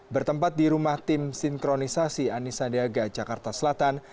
bertempat di rumah tim sinkronisasi ani sandiaga jakarta selatan